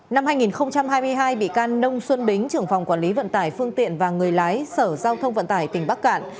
năm hai nghìn hai mươi hai bị can nông xuân bính trưởng phòng quản lý vận tải phương tiện và người lái sở giao thông vận tải tỉnh bắc cạn